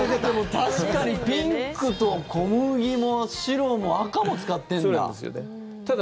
確かにピンクと小麦も白も赤も使ってるんだ。